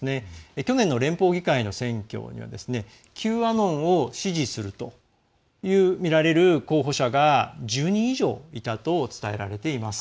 去年の連邦議会の選挙にはＱアノンを支持するとみられる候補者が１０人以上いたと伝えられています。